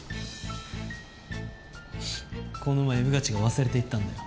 この前穿地が忘れていったんだよ。